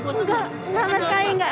enggak lama sekali enggak